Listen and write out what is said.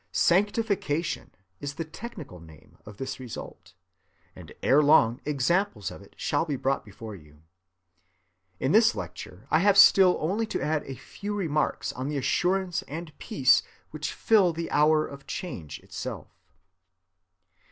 "Sanctification" is the technical name of this result; and erelong examples of it shall be brought before you. In this lecture I have still only to add a few remarks on the assurance and peace which fill the hour of change itself.